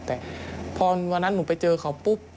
แต่พอวันนั้นหนูไปเจอเขาปุ๊บ